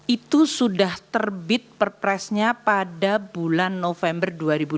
itu sudah terbit perpresnya pada bulan november dua ribu dua puluh